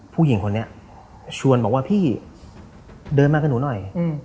ผู้หญิงคนนี้ชวนบอกว่าพี่เดินมากับหนูหน่อย